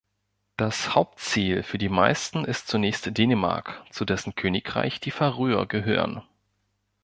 Das Hauptziel für die meisten ist zunächst Dänemark, zu dessen Königreich die Färöer gehören.